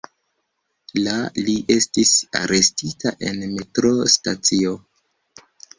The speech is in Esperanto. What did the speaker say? La li estis arestita en metro-stacio.